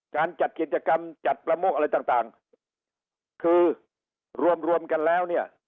จัดกิจกรรมจัดประมุกอะไรต่างคือรวมรวมกันแล้วเนี่ย